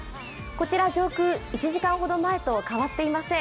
こちら上空、１時間ほど前と変わっていません。